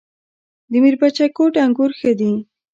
د میربچه کوټ انګور ښه دي